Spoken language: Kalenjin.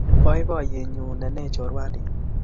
Boboiyet nyu nene chorwandit